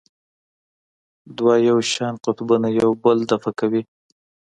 دوه یو شان قطبونه یو بل دفع کوي.